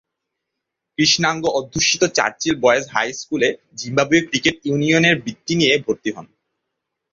কৃষ্ণাঙ্গ অধ্যুষিত Churchill boys high স্কুলে জিম্বাবুয়ে ক্রিকেট ইউনিয়নের বৃত্তি নিয়ে ভর্তি হন।